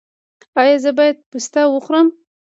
ایا زه باید پسته وخورم؟